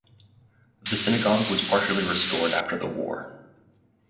The synagogue was partially restored after the war.